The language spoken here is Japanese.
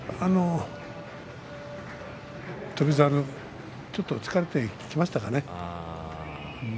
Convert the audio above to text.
翔猿、ちょっと疲れてきましたかね。